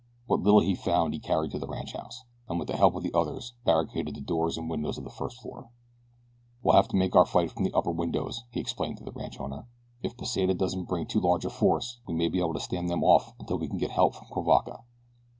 What little he found he carried to the ranchhouse, and with the help of the others barricaded the doors and windows of the first floor. "We'll have to make our fight from the upper windows," he explained to the ranch owner. "If Pesita doesn't bring too large a force we may be able to stand them off until you can get help from Cuivaca.